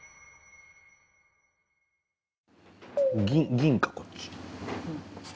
銀かこっち。